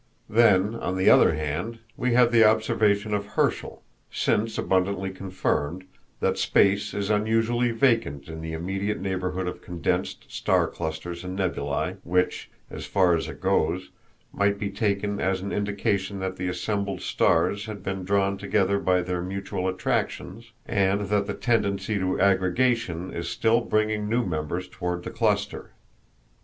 Then, on the other hand, we have the observation of Herschel, since abundantly confirmed, that space is unusually vacant in the immediate neighborhood of condensed star clusters and nebulæ, which, as far as it goes, might be taken as an indication that the assembled stars had been drawn together by their mutual attractions, and that the tendency to aggregation is still bringing new members toward the cluster.